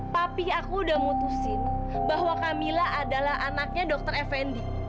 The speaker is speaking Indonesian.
papi aku udah mutusin bahwa kamila adalah anaknya dokter effendi